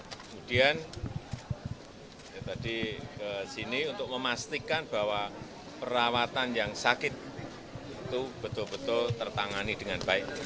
kemudian saya tadi ke sini untuk memastikan bahwa perawatan yang sakit itu betul betul tertangani dengan baik